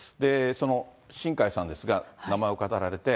その新開さんですが、名前をかたられて。